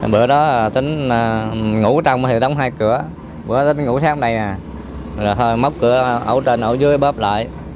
bữa đó tính ngủ trong thì đóng hai cửa bữa đó tính ngủ sáng đây à rồi thôi móc cửa ổ trên ổ dưới bóp lại